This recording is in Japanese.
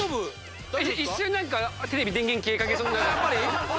一瞬何かテレビ電源消えかけそうに。